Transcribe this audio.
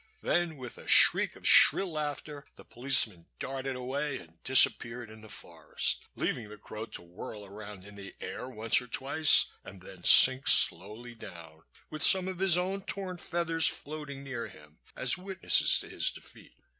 Then, with a shriek of shrill laughter, the policeman darted away and disappeared in the forest, leaving the crow to whirl around in the air once or twice and then sink slowly down, with some of his own torn feathers floating near him as witnesses to his defeat.